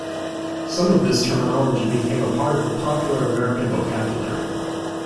Some of this terminology became a part of the popular American vocabulary.